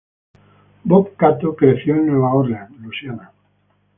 Bob Cato creció en Nueva Orleans, Luisiana.